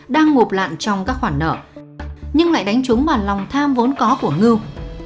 đang ngụp lạn trong các khoản nợ nhưng lại đánh trúng vào lòng tham vốn có của ngưu